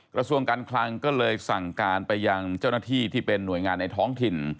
กระทรวงการคลังก็เลยสั่งการไปยังเจ้าหน้าที่ที่เป็นหน่วยงานในท้องถิ่น